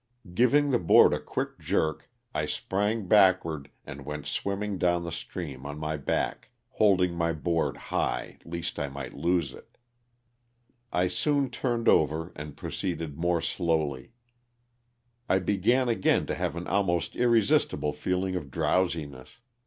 Giving the board a quick jerk I sprang back ward and went swimming down the stream on my back, holding my board high least I might lose it. I soon turned over and proceeded more slowly. I began 54 LOSS OF THE SULTANA. again to have an almost irresistible feeling of drowsi ness.